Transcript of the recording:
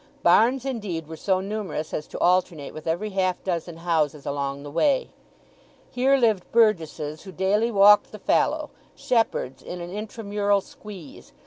Barns indeed were so numerous as to alternate with every half dozen houses along the way. Here lived burgesses who daily walked the fallow; shepherds in an intra mural squeeze.